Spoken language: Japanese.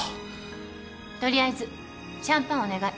取りあえずシャンパンお願い。